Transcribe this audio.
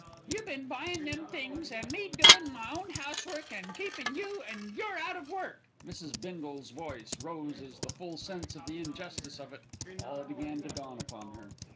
"You been buyin' them things, an' me doin' my own housework an' keepin' you when you're out of work!" Mrs. Bindle's voice rose as the full sense of the injustice of it all began to dawn upon her.